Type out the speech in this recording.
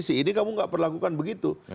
si ini kamu gak perlakukan begitu